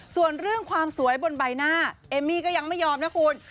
ส่วนเรื่องความสวยบนใบหน้าเอมมี่ก็ยังไม่ยอมนะคุณ